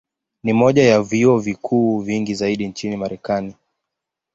Ni moja ya vyuo vikuu vingi zaidi nchini Marekani.